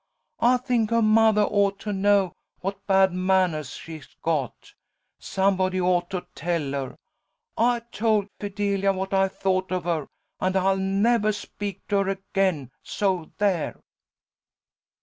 I think her mothah ought to know what bad mannahs she's got. Somebody ought to tell her. I told Fidelia what I thought of her, and I'll nevah speak to her again! So there!"